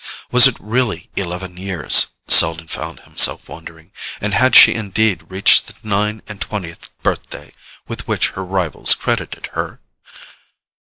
Was it really eleven years, Selden found himself wondering, and had she indeed reached the nine and twentieth birthday with which her rivals credited her?